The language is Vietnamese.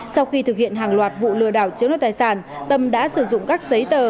sau khi thực hiện hàng loạt vụ lừa đảo chiếm đoạt tài sản tâm đã sử dụng các giấy tờ